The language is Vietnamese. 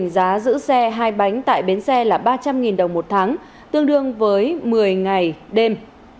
giá giữ xe hai bánh tại bến xe là ba trăm linh đồng một tháng tương đương với một mươi ngày đêm